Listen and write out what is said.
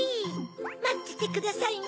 まっててくださいね